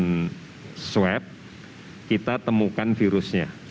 dengan swab kita temukan virusnya